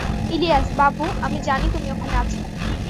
ইলিয়াস, বাবু, আমি জানি তুমি ওখানে আছো।